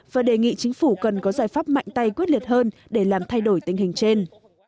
và đề nghị chính phủ cần có giải pháp mạnh tay quyết liệt hơn để làm thay đổi tình hình trên